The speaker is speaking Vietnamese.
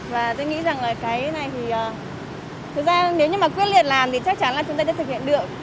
và tôi nghĩ rằng là cái này thì thực ra nếu như mà quyết liệt làm thì chắc chắn là chúng ta sẽ thực hiện được